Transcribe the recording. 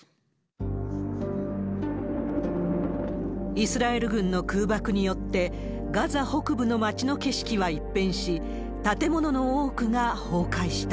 イスラエル軍の空爆によって、ガザ北部の町の景色は一変し、建物の多くが崩壊した。